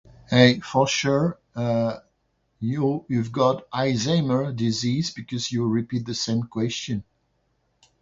A kosher, uh, meal—you've got Eisinger disease because you repeat the same question.